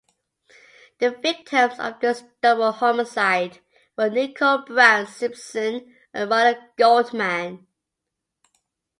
The victims of this double homicide were Nicole Brown Simpson and Ronald Goldman.